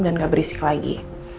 dan gak berisik lagi